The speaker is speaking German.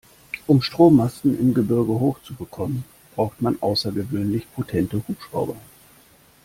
Um Strommasten im Gebirge hoch zu bekommen, braucht man außergewöhnlich potente Hubschrauber.